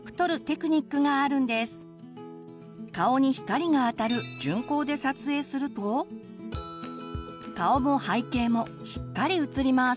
顔に光があたる順光で撮影すると顔も背景もしっかり写ります。